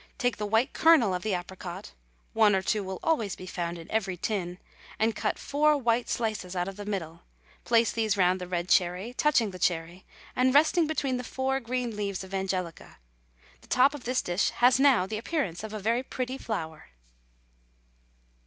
Take the white kernel of the apricot one or two will always be found in every tin and cut four white slices out of the middle, place these round the red cherry, touching the cherry, and resting between the four green leaves of angelica; the top of this dish has now the appearance of a very pretty flower.